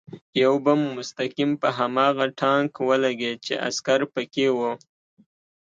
یو بم مستقیم په هماغه ټانک ولګېد چې عسکر پکې و